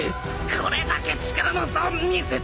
これだけ力の差を見せたのに！